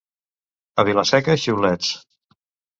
A Vila-seca, xiulets.